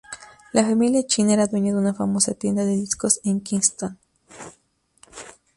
La familia Chin era dueña de una famosa tienda de discos en Kingston.